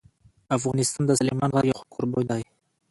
افغانستان د سلیمان غر یو ښه کوربه دی.